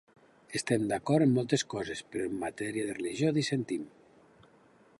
Estem d'acord en moltes coses, però en matèria de religió dissentim.